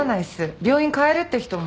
病院変えるって人も。